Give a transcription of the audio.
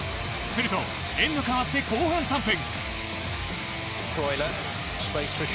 すると、エンド代わって後半３分。